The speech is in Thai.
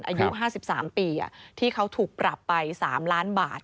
อายุ๕๓ปีที่เขาถูกปรับไป๓ล้านบาท